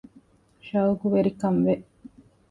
ޝައުޤުވެރިކަން ވެ